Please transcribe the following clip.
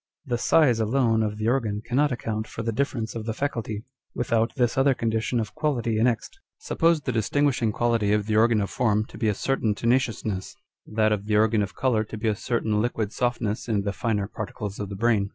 The size alone of the organ cannot account for the difference of the faculty, without this other condition of quality annexed. Suppose 206 On Dr. Spurzheim s Theory. the distinguishing quality of the organ of form to be a certain tenaciousness ; that of the organ of colour to be a certain liquid softness in the finer particles of the brain.